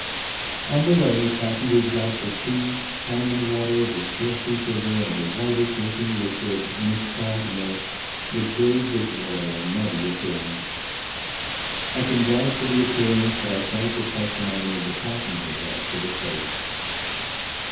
On the way passengers got for tea tannin water with filthy sugar and a whitish looking liquid mis called milk which gave this water a muddy appearance. I can vouch for the appearance, but I cite the testimony of the passengers as to the taste.